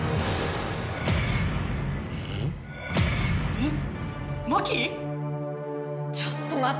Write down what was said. えっ！